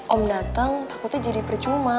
om datang takutnya jadi percuma